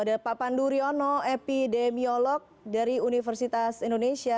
ada pak panduriono epidemiolog dari universitas indonesia